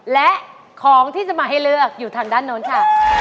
และของที่จะมาให้เลือกอยู่ทางด้านโน้นค่ะ